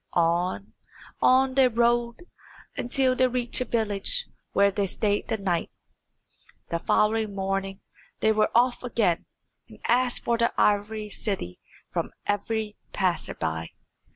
On, on they rode, until they reached a village where they stayed the night. The following morning they were off again, and asked for Ivory City from every passer by.